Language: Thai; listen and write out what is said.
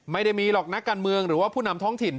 ไม่ได้มีหรอกนักการเมืองหรือว่าผู้นำท้องถิ่น